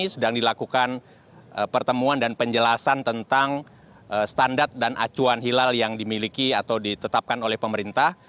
sedang dilakukan pertemuan dan penjelasan tentang standar dan acuan hilal yang dimiliki atau ditetapkan oleh pemerintah